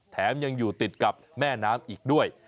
แถมยังอยู่ติดกับแม่น้ำอีกด้วย